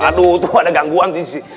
aduh tuh ada gangguan sih